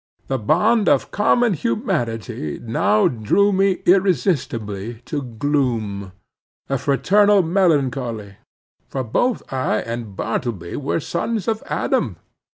The bond of a common humanity now drew me irresistibly to gloom. A fraternal melancholy! For both I and Bartleby were sons of Adam.